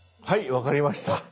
分かりました！